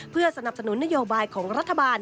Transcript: เพื่อสนับสนุนนโยบายของรัฐบาล